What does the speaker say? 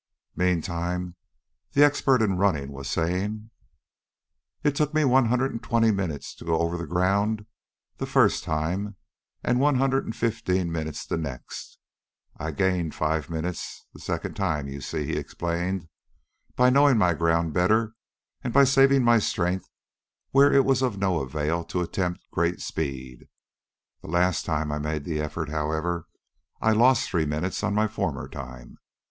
Meantime the expert in running was saying: "It took me one hundred and twenty minutes to go over the ground the first time, and one hundred and fifteen minutes the next. I gained five minutes the second time, you see," he explained, "by knowing my ground better and by saving my strength where it was of no avail to attempt great speed. The last time I made the effort, however, I lost three minutes on my former time.